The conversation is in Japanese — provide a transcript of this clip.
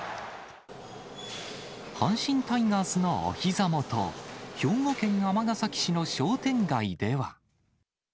阪神タイガースのおひざ元、兵庫県尼崎市の商店街では。